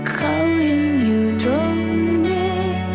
เขายังอยู่ตรงนี้